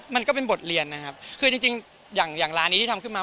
มันก็เป็นบทเรียนนะครับคือจริงจริงอย่างอย่างร้านนี้ที่ทำขึ้นมา